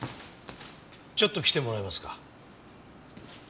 ちょっと来てもらえますか？